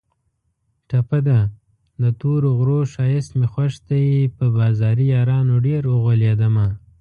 ټپه ده: د تورو غرو ښایست مې خوښ دی په بازاري یارانو ډېر اوغولېدمه